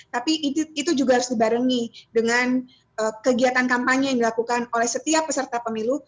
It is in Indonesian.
tapi itu juga harus dibarengi dengan kegiatan kampanye yang dilakukan oleh setiap peserta pemilu